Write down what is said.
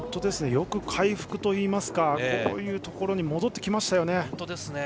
よく回復といいますかこういうところに戻ってきましたよね。